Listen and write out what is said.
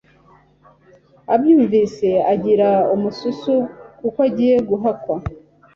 abyumvise agira umususu kuko agiye guhakwa